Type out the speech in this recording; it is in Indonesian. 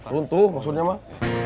runtuh maksudnya mak